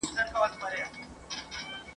یوه نه ده را سره زر خاطرې دي ..